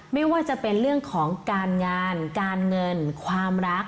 ไม่ว่าจะเป็นเรื่องของการงานการเงินความรัก